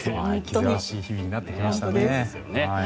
忙しい日々になってきましたね。